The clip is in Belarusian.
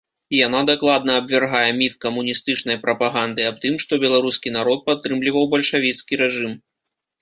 Яна дакладна абвяргае міф камуністычнай прапаганды аб тым, што беларускі народ падтрымліваў бальшавіцкі рэжым.